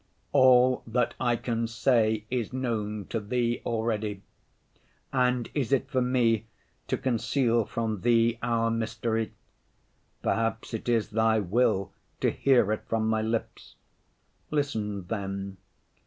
All that I can say is known to Thee already. And is it for me to conceal from Thee our mystery? Perhaps it is Thy will to hear it from my lips. Listen, then.